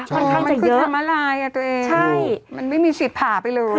มันคือถนนมาลายตัวเองมันไม่มีสิทธิ์ผ่าไปเร็ว